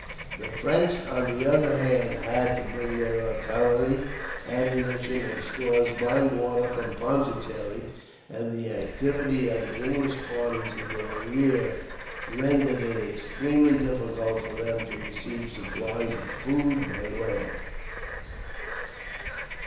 The French, on the other hand, had to bring their artillery, ammunition, and stores by water from Pondicherry; and the activity of the English parties in their rear rendered it extremely difficult for them to receive supplies of food, by land.